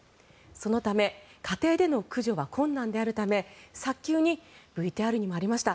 そのため家庭での駆除は困難であるため早急に、ＶＴＲにもありました